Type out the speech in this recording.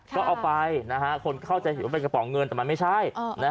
ก็เอาไปคนเข้าใจเห็นว่าเป็นกระป๋องเงินแต่มันไม่ใช่